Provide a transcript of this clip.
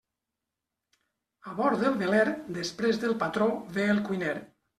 A bord del veler, després del patró ve el cuiner.